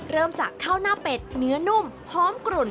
เริ่มจากข้าวหน้าเป็ดเนื้อนุ่มหอมกลุ่น